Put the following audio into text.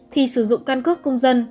thì sử dụng căn cước công dân